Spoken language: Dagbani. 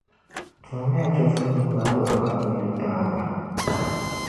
Tuhimi ya chεfurinim’ maa luɣilikam yi ni paai ba